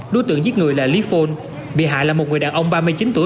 đối tượng giết người là lý phôn bị hại là một người đàn ông ba mươi chín tuổi